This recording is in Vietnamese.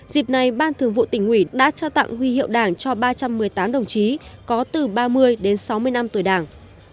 dịp này ban thường vụ tỉnh ủy đã trao tặng huy hiệu đảng cho ba trăm một mươi tám đồng chí có từ ba mươi đến sáu mươi năm tuổi đảng